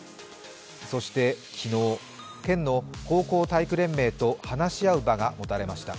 そして昨日、県の高校体育連盟と話し合う場が持たれました。